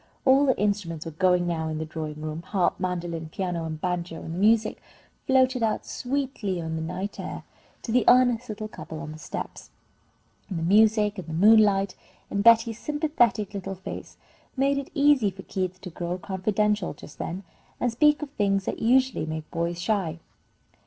All the instruments were going now in the drawing room, harp, mandolin, piano, and banjo, and the music floated out sweetly on the night air to the earnest little couple on the steps. And the music, and the moonlight, and Betty's sympathetic little face, made it easy for Keith to grow confidential just then, and speak of things that usually make boys shy.